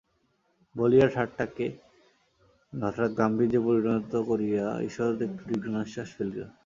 বলিয়া ঠাট্টাকে হঠাৎ গাম্ভীর্যে পরিণত করিয়া ঈষৎ একটু দীর্ঘনিশ্বাস ফেলিল।